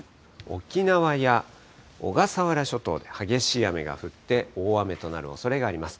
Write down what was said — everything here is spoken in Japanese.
沖縄や小笠原諸島で激しい雨が降って、大雨となるおそれがあります。